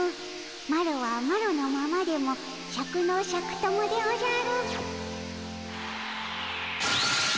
マロはマロのままでもシャクのシャク友でおじゃる。